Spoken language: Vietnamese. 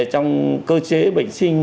trong cơ chế bệnh sinh